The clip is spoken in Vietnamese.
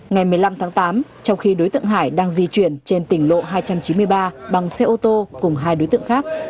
ngày một mươi năm tháng tám trong khi đối tượng hải đang di chuyển trên tỉnh lộ hai trăm chín mươi ba bằng xe ô tô cùng hai đối tượng khác